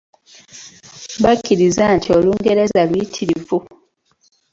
Bakkiriza nti Olungereza luyitirivu.